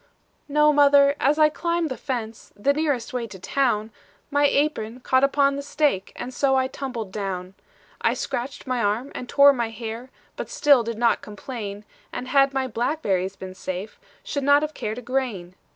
"No, mother, as I climbed the fence, The nearest way to town, My apron caught upon the stake, And so I tumbled down. "I scratched my arm and tore my hair, But still did not complain; And had my blackberries been safe, Should not have cared a grain.